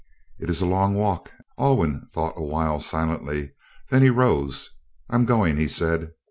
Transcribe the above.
"It is a long walk." Alwyn thought a while, silently. Then he rose. "I'm going," he said.